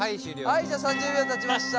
はいじゃあ３０秒たちました。